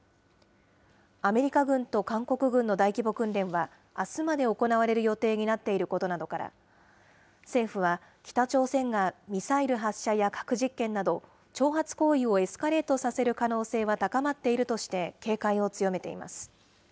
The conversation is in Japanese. アメリカ軍と韓国軍の大規模訓練は、あすまで行われる予定になっていることなどから、政府は北朝鮮がミサイル発射や核実験など、挑発行為をエスカレートさせる可能性は高まっているとして、警戒を強めています。